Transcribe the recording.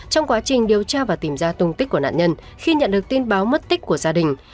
trong quá trình điều tra và tìm ra tung tích của nạn nhân khi nhận được tin báo mất tích của gia đình